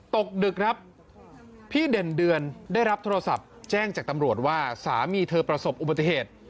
ตกดึกครับพี่เด่นเดือนได้รับโทรศัพท์แจ้งจากตำรวจว่าสามีเธอประสบอุบัติเหตุ